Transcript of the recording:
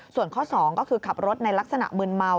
ส่วนข้อ๒ก็คือขับรถในลักษณะมืนเมา